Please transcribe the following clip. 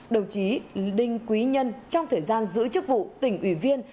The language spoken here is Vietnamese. đồng chí đinh quý nhân trong thời gian giữ chức vụ tỉnh ủy viên